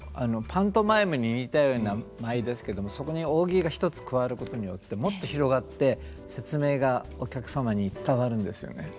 パントマイムに似たような舞ですけどもそこに扇が一つ加わることによってもっと広がって説明がお客様に伝わるんですよね。